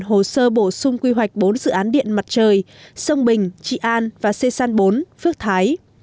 hồ sơ bổ sung quy hoạch bốn dự án điện mặt trời sông bình trị an và xê san bốn phước thái